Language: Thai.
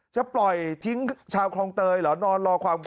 จะปล่อยทิ้งชาวคลองเตยเหรอนอนรอความกลัว